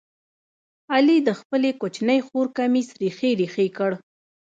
علي د خپلې کوچنۍ خور کمیس ریخې ریخې کړ.